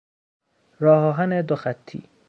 راهآهن دو خطی